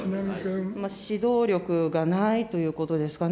指導力がないということですかね。